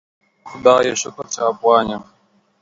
خدایه شکر چی افغان یم